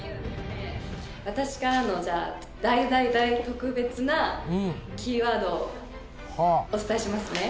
私からの、じゃあ、大大大特別なキーワードをお伝えしますね。